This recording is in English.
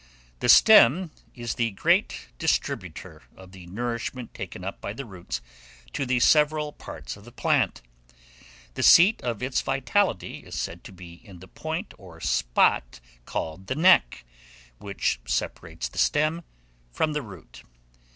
The stem is the grand distributor of the nourishment taken up by the roots, to the several parts of the plant. The seat of its vitality is said to be in the point or spot called the neck, which separates the stem from the root.